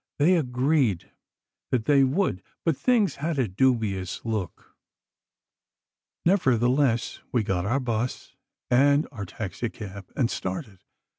They agreed that they would, but things had a dubious look. "Nevertheless, we got our bus and our taxicab, and started.